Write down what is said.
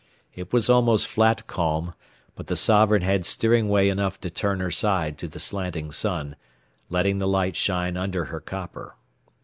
It was almost flat calm, but the Sovereign had steering way enough to turn her side to the slanting sun, letting the light shine under her copper.